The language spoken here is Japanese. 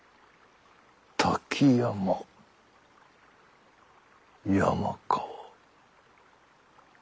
滝山山川。